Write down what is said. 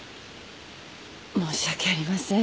申し訳ありません。